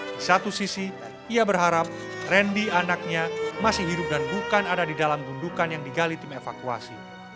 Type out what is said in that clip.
di satu sisi ia berharap randy anaknya masih hidup dan bukan ada di dalam gundukan yang digali tim evakuasi